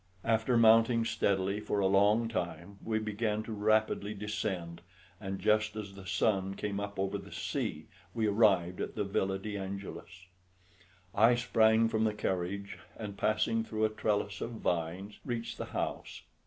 After mounting steadily for a long time we began to rapidly descend, and just as the sun came up over the sea we arrived at the Villa de Angelis. I sprang from the carriage, and passing through a trellis of vines, reached the house.